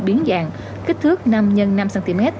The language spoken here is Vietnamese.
biến dàng kích thước năm x năm cm